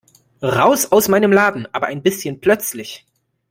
Raus aus meinem Laden, aber ein bisschen plötzlich!